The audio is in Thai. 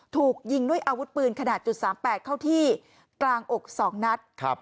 ถูกยิงด้วยอาวุธปืนขนาด๓๘เข้าที่กลางอก๒นัด